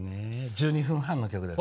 １２分半の曲です。